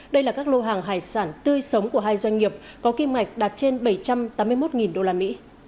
đây là các lô hàng hải sản tươi sống của hai doanh nghiệp